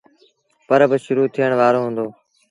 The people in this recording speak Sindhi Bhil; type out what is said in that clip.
پرٻ شروٚ ٿيڻ وآرو هُݩدو